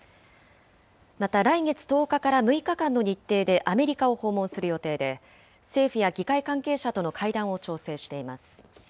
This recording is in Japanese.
また、来月１０日から６日間の日程でアメリカを訪問する予定で、政府や議会関係者との会談を調整しています。